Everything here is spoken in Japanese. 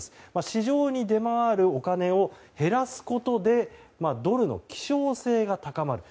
市場に出回るお金を減らすことでドルの希少性が高まる。